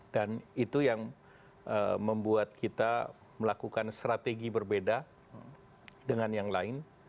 dan itu yang membuat kita melakukan strategi berbeda dengan yang lain